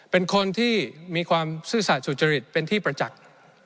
เป็นคนที่มีความซื่อสัตว์สุจริตเป็นที่ประจักษ์